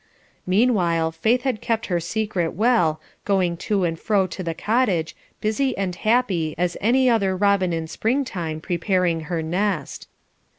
Meanwhile Faith had kept her secret well, going to and fro to the cottage, busy and happy as any other robin in spring time preparing her nest.